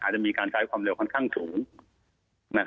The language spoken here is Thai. อาจจะมีการใช้ความเร็วค่อนข้างสูง